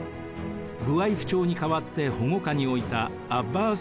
ブワイフ朝に代わって保護下に置いたアッバース